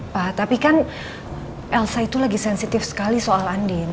pak tapi kan elsa itu lagi sensitif sekali soal andin